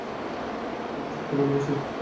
ওকে সত্যিই ভালোবাসো?